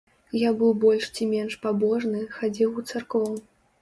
Я быў больш ці менш пабожны, хадзіў у царкву.